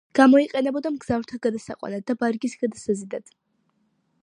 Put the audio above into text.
გამოიყენებოდა მგზავრთა გადასაყვანად და ბარგის გადასაზიდად.